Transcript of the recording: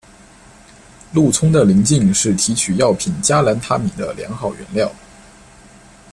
鹿葱的鳞茎是提取药品加兰他敏的良好原料。